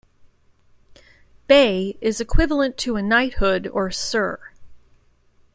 Bey is equivalent to a knighthood or "Sir".